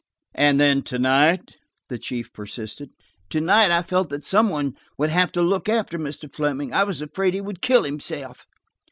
"And then–to night?" the chief persisted. "To night, I felt that some one would have to look after Mr. Fleming; I was afraid he would kill himself.